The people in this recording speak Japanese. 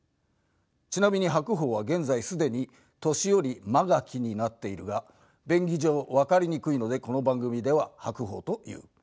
ちなみに白鵬は現在既に年寄間垣になっているが便宜上分かりにくいのでこの番組では白鵬と言う。